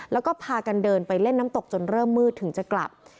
แล้วก็พากันเดินไปเล่นน้ำตกจนเริ่มมืดถึงจะกลับ